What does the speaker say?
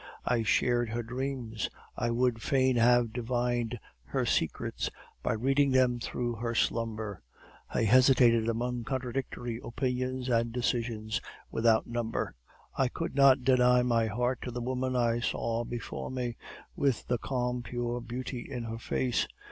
I shared her dreams; I would fain have divined her secrets by reading them through her slumber. I hesitated among contradictory opinions and decisions without number. I could not deny my heart to the woman I saw before me, with the calm, pure beauty in her face.